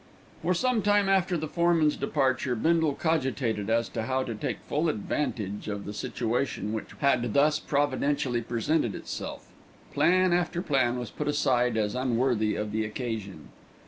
For some time after the foreman's departure, Bindle cogitated as to how to take full advantage of the situation which had thus providentially presented itself. Plan after plan was put aside as unworthy of the occasion.